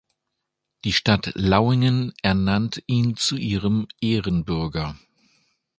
Die Stadt Lauingen ernannt ihn zu ihrem Ehrenbürger.